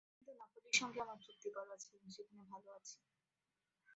কিন্তু নাপোলির সঙ্গে আমার চুক্তি করা আছে এবং সেখানে ভালো আছি।